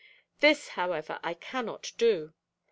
This, however, I cannot do.